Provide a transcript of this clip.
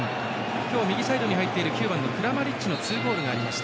今日、右サイドに入っているクラマリッチのツーゴールがありました。